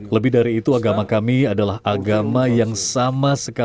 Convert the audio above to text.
lebih dari itu agama kami adalah agama yang sama sekali